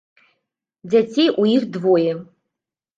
Дзяцей у іх двое.